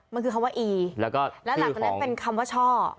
มันคือคำว่าอีแล้วก็แล้วหลังจากนั้นเป็นคำว่าช่อ